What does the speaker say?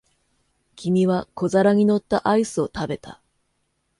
君は小皿に乗ったアイスを食べた。